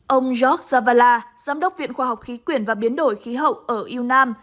ông jacques zavala giám đốc viện khoa học khí quyển và biến đổi khí hậu ở yonam